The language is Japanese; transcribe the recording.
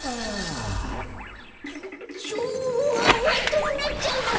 どうなっちゃうの？